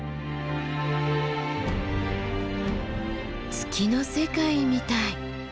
月の世界みたい。